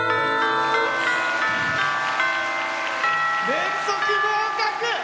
連続合格！